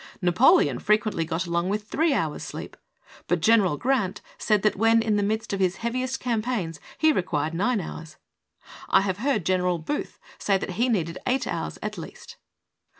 Na poleon frequently got along with three hours' sleep, but General Grant said that when in the midst of his heaviest campaigns he required nine hours. I have heard Gen eral Booth say that he needed eight hours at least.